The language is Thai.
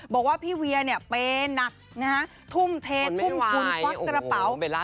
บอกว่าพี่เวียนี่เปเนอะทุ่มเทททุ่มพะกระเป๋า